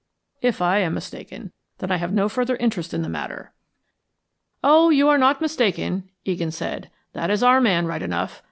If I am mistaken, then I have no further interest in the matter." "Oh, you're not mistaken," Egan said. "That is our man right enough.